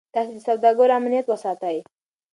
تاسي د سوداګرو امنیت وساتئ.